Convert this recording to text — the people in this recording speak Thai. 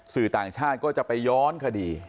สื่อต่างชาติก็จะไปย้อนคดี